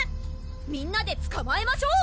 みんなでつかまえましょう！